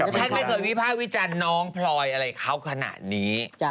ฉันไม่เคยวิภาควิจารณ์น้องพลอยอะไรเขาขนาดนี้